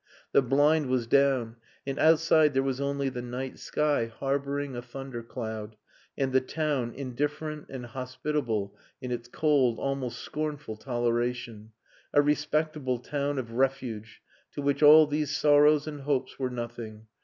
The blind was down; and outside there was only the night sky harbouring a thunder cloud, and the town indifferent and hospitable in its cold, almost scornful, toleration a respectable town of refuge to which all these sorrows and hopes were nothing.